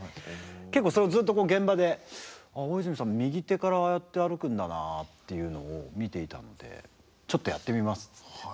結構それをずっと現場で「ああ大泉さん右手からああやって歩くんだな」っていうのを見ていたのでちょっとやってみますっつって。